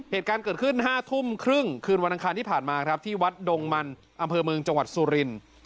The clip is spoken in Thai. เหตุการณ์เกิดขึ้น๕ทุ่มครึ่งคืนวันอังคารที่ผ่านมาครับที่วัดดงมันอำเภอเมืองจังหวัดสุรินทร์